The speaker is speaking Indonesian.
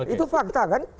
itu fakta kan